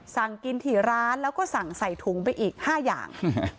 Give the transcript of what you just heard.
สั่งกินถี่ร้านแล้วก็สั่งใส่ถุงไปอีก๕อย่าง